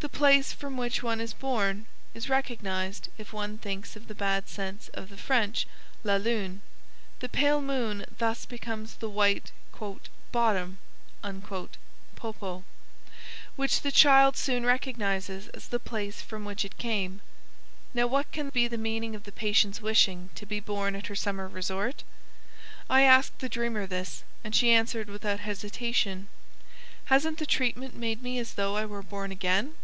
The place from which one is born is recognized if one thinks of the bad sense of the French "la lune." The pale moon thus becomes the white "bottom" (Popo), which the child soon recognizes as the place from which it came. Now what can be the meaning of the patient's wishing to be born at her summer resort? I asked the dreamer this, and she answered without hesitation: "Hasn't the treatment made me as though I were born again?"